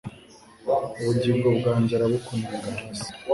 ubugingo bwanjye arabukunenga hasi